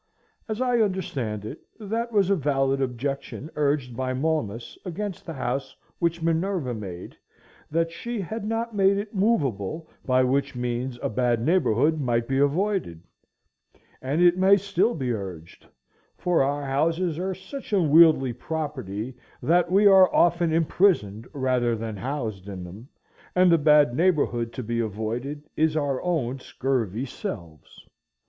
As I understand it, that was a valid objection urged by Momus against the house which Minerva made, that she "had not made it movable, by which means a bad neighborhood might be avoided;" and it may still be urged, for our houses are such unwieldy property that we are often imprisoned rather than housed in them; and the bad neighborhood to be avoided is our own scurvy selves.